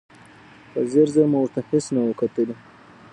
په ځیر ځیر مو ورته هېڅ نه و کتلي.